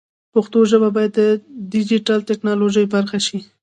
پښتو ژبه باید د ډیجیټل ټکنالوژۍ برخه شي.